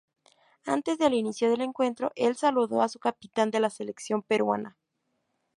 Antes del inicio del encuentro el saludó a su capitán de la selección peruana.